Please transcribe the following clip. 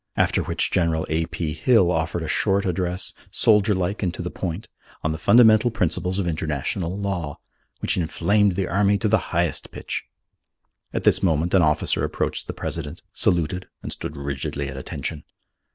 After which General A. P. Hill offered a short address, soldier like and to the point, on the fundamental principles of international law, which inflamed the army to the highest pitch. At this moment an officer approached the President, saluted and stood rigidly at attention.